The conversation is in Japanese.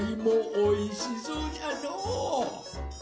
おいしそうじゃのう！